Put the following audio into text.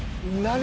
何？